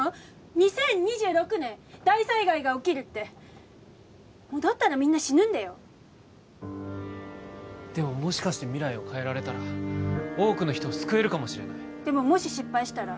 ２０２６年大災害が起きるって戻ったらみんな死ぬんだよでももしかして未来を変えられたら多くの人を救えるかもしれないでももし失敗したら？